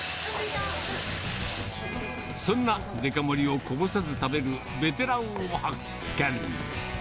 そんなデカ盛りをこぼさず食べるベテランを発見。